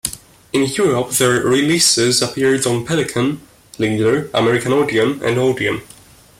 In Europe, their releases appeared on Pelican, Leader, American Odeon and Odeon.